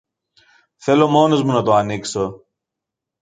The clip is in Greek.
Θέλω μόνος μου να το ανοίξω.